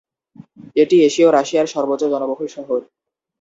এটি এশীয় রাশিয়ার সর্বোচ্চ জনবহুল শহর।